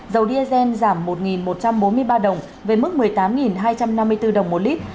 dầu dsn giảm một một trăm bốn mươi ba đồng với mức một mươi tám hai trăm năm mươi bốn đồng mỗi lít